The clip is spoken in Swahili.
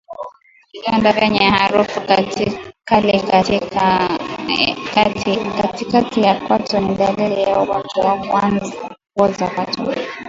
Vidonda vyenye harufu kali katikati ya kwato ni dalili ya ugonjwa wa kuoza kwato